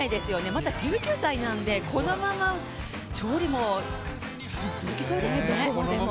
まだ１９歳なので、このまま勝利も続きそうですね。